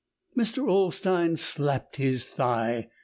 Mr. Olstein slapped his thigh.